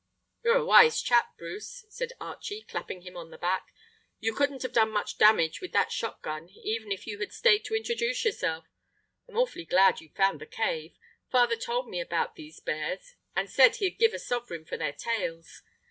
"You're a wise chap, Bruce," said Archie, clapping him on the back. "You couldn't have done much damage with that shot gun, even if you had stayed to introduce yourself. I'm awfully glad you've found the cave. Father told me about these bears, and said he'd give a sovereign for their tails.